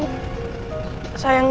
makasih ya sayang